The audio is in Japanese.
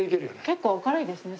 結構明るいですね